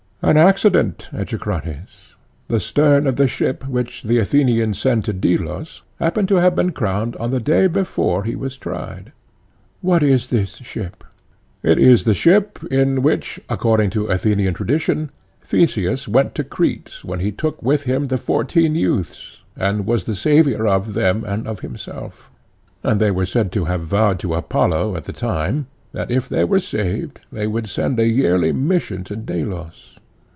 PHAEDO: An accident, Echecrates: the stern of the ship which the Athenians send to Delos happened to have been crowned on the day before he was tried. ECHECRATES: What is this ship? PHAEDO: It is the ship in which, according to Athenian tradition, Theseus went to Crete when he took with him the fourteen youths, and was the saviour of them and of himself. And they were said to have vowed to Apollo at the time, that if they were saved they would send a yearly mission to Delos.